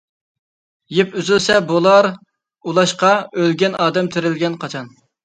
يىپ ئۈزۈلسە بولار ئۇلاشقا، ئۆلگەن ئادەم تىرىلگەن قاچان؟ !